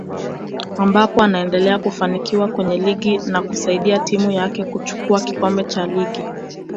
ambapo anaendelea kufanikiwa kwenye ligi na kusaidia timu yake kuchukua kikombe cha ligi